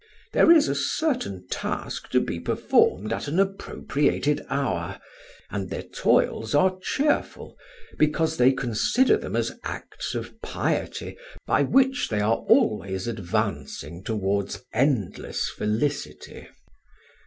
There is a certain task to be performed at an appropriated hour, and their toils are cheerful, because they consider them as acts of piety by which they are always advancing towards endless felicity."